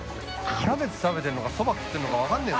キャベツ食べてるのかそば食ってるのか分からない。